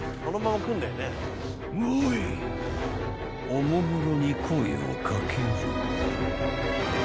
［おもむろに声を掛ける］